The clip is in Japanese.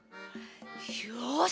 よし！